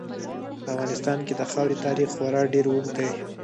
په افغانستان کې د خاورې تاریخ خورا ډېر اوږد دی.